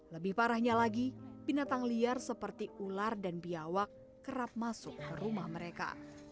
lebih parahnya lagi binatang liar seperti ular dan biawak kerap masuk ke rumah mereka